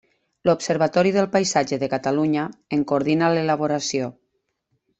L'Observatori del Paisatge de Catalunya en coordina l'elaboració.